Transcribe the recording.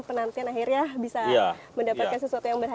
penantian akhirnya bisa mendapatkan sesuatu yang berbahaya